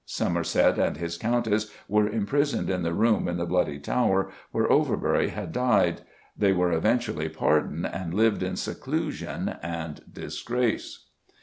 Somerset and his Countess were imprisoned in the room in the Bloody Tower, where Overbury had died; they were eventually pardoned and "lived in seclusion and disgrace."